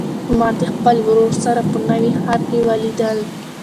ما د خپل ورور سره په نوي ښار کې ولیدل.